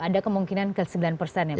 ada kemungkinan ke sembilan persen ya pak